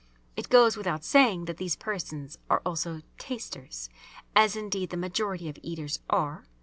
It goes without saying that these persons are also "tasters," as indeed the majority of eaters are.